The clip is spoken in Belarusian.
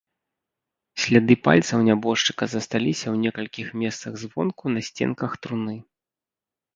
Сляды пальцаў нябожчыка засталіся ў некалькіх месцах звонку на сценках труны.